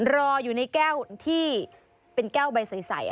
รออยู่ในแก้วที่เป็นแก้วใบใส